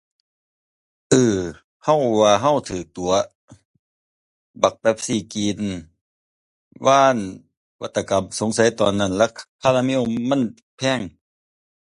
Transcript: อืม เราว่า เราโดนหลอกแหง ไอ้เป็ปซี่กรีน ว่านวัตกรรม สงสัยตอนนั้นคาราเมลมันแพง